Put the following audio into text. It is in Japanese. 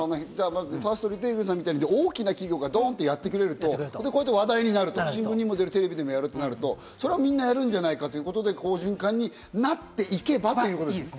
ファーストリテイリングさんみたいに、大きな企業がドンとやってくれると話題になる、新聞でもテレビでもやるとなると、みんなやるんじゃないかということで、好循環になっていけばということですね。